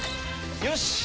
よし！